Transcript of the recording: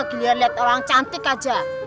kita liat orang cantik aja